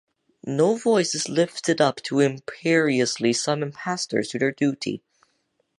No voice is lifted up to imperiously summon pastors to their duty.